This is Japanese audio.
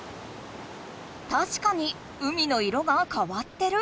たしかに海の色がかわってる！